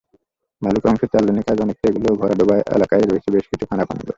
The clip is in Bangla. ভালুকা অংশে চার লেনের কাজ অনেকটা এগোলেও ভরাডোবা এলাকায় রয়েছে বেশ কিছু খানাখন্দ।